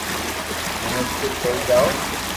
ھين اسڪول ڪوئي جاو